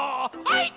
はい！